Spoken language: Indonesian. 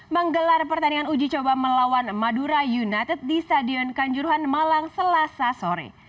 menggelar pertandingan uji coba melawan madura united di stadion kanjuruhan malang selasa sore